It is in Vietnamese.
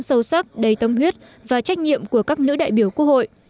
sâu sắc đầy tâm huyết và trách nhiệm của các nữ đại biểu quốc hội